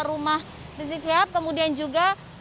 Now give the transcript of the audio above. rumah rizik sihab kemudian juga